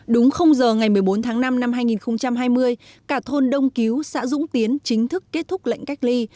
đúng giờ ngày một mươi bốn tháng năm năm hai nghìn hai mươi cả thôn đông cứu xã dũng tiến chính thức kết thúc lệnh cách ly